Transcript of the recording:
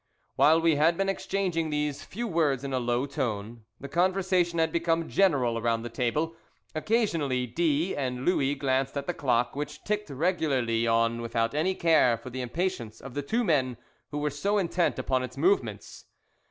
While we had been exchanging these few words in a low tone, the conversation had become general around the table. Occasionally D and Louis glanced at the clock, which ticked regularly on without any care for the impatience of the two men who were so intent upon its movements.